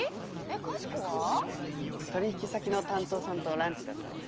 取引先の担当さんとランチだって。